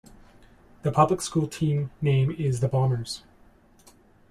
The public school team name is the Bombers.